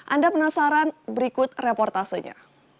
anda penasaran berikut reportasenya